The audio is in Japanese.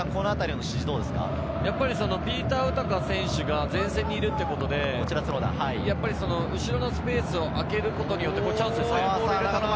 ピーター・ウタカ選手が前線にいるということで、後ろのスペースを空けることによって、チャンスですね。